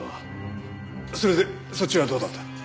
それでそっちはどうだった？